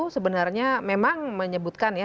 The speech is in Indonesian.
sebenarnya memang menyebutkan ya